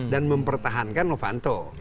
dan mempertahankan novanto